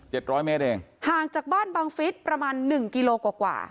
ร้อยเมตรเองห่างจากบ้านบังฟิศประมาณหนึ่งกิโลกว่ากว่า